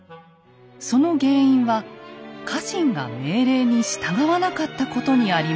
その原因は家臣が命令に従わなかったことにありました。